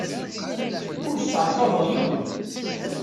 Ur sseɛẓageɣ yiwen.